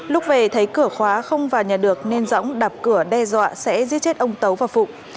lúc về thấy cửa khóa không vào nhà được nên dõng đập cửa đe dọa sẽ giết chết ông tấu và phụng